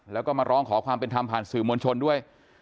แล้วก็มาร้องขอความเป็นธรรมผ่านสื่อมวลชนด้วย